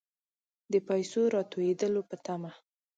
د پیسو راتوېدلو په طمع.